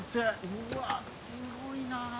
うわっすごいなあ。